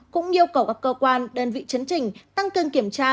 cũng yêu cầu các cơ quan đơn vị chấn trình tăng cường kiểm tra